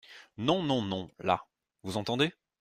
Non ! non ! non ! là… vous entendez ?